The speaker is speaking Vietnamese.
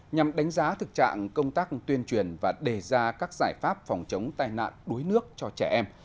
nhằm đánh giá thực trạng công tác tuyên truyền và đề ra các giải pháp phòng chống tai nạn đuối nước cho trẻ em